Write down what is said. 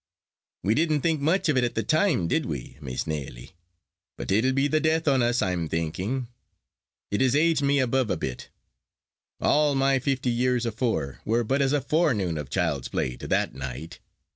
"We didn't think much of it at the time, did we, Miss Nelly? But it'll be the death on us, I'm thinking. It has aged me above a bit. All my fifty years afore were but as a forenoon of child's play to that night.